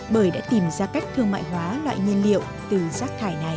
bởi đã tìm ra cách thương mại hóa loại nhiên liệu từ rác thải này